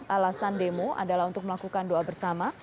alasan demo adalah untuk melakukan doa bersama